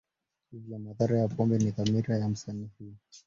Hivyo, madhara ya pombe ni dhamira ya msanii huyo.